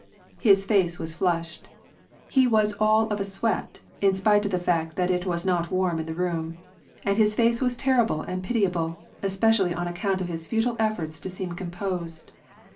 67 His face was flushed, lie was all of a sweat, in spite of the fact that it was not waim in the room. And his f%ee was ter rible and pitiable, especially on account of his futile efforts to seem composed.